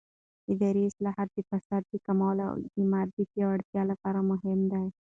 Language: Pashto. اداري اصلاحات د فساد د کمولو او اعتماد د پیاوړتیا لپاره مهم دي